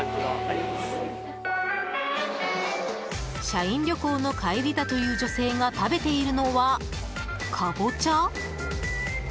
社員旅行の帰りだという女性が食べているのは、カボチャ？